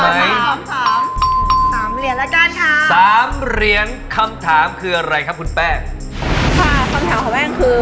แล้วกันค่ะสามเรียนคำถามคืออะไรค่ะคุณแป้งค่ะส่วนแถวของแม่งคือ